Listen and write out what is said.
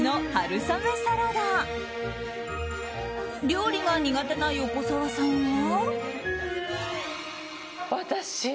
料理が苦手な横澤さんは。